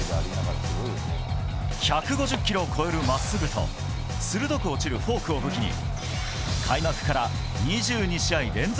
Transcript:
１５０キロを超える真っすぐと鋭く落ちるフォークを武器に開幕から２２試合連続